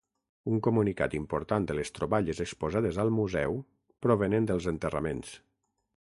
Un comunicat important de les troballes exposades al museu provenen dels enterraments.